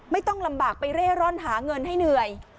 ไม่ต้องลำบากไปเร่ร่อนหาเงินให้เหนื่อย